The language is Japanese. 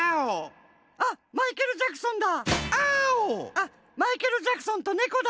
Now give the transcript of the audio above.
あっマイケル・ジャクソンとネコだ。